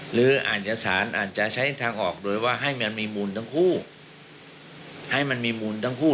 หรืออาจจะสารอาจจะใช้ทางออกโดยว่าให้มันมีมูลทั้งคู่